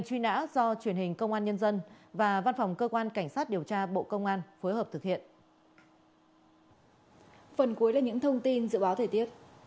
hãy bảo mật thông tin cá nhân khi cung cấp thông tin đối tượng truy nã cho chúng tôi và sẽ có phần thưởng cho những thông tin có giá trị